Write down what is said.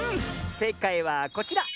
せいかいはこちら！